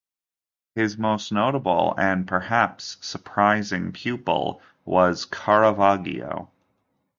His most notable and perhaps surprising pupil was Caravaggio.